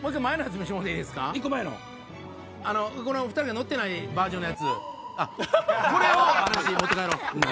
２人が乗ってないバージョンのやつ。